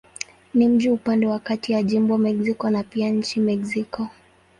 Ni mji upande wa kati ya jimbo Mexico na pia nchi Mexiko.